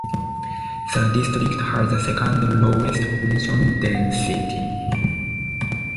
The district has the second lowest population density.